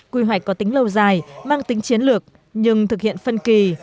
quy hoạch có tính lâu dài mang tính chiến lược nhưng thực hiện phân kỳ